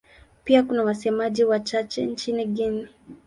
Pia kuna wasemaji wachache nchini Guinea.